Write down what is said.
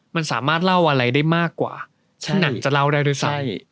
มันสามารถเล่าอะไรได้มากกว่าที่หนังจะเล่าได้ด้วยซ้ำ